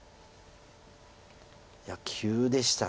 いや急でした。